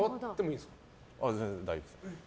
全然大丈夫です。